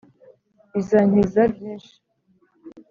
Bizankiza byinshi.